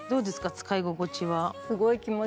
使い心地は。